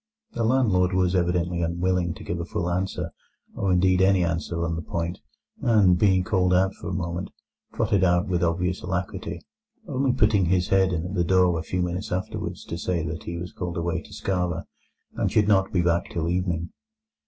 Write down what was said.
The landlord was evidently unwilling to give a full answer, or indeed any answer, on the point, and, being called out for a moment, trotted out with obvious alacrity, only putting his head in at the door a few minutes afterwards to say that he was called away to Skara, and should not be back till evening.